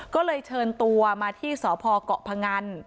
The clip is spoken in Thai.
ก็เลยเชิญตัวมาที่สพเกาะพงัน